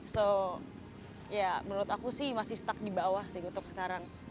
so ya menurut aku sih masih stuck di bawah sih untuk sekarang